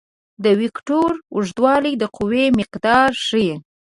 د وکتور اوږدوالی د قوې مقدار ښيي.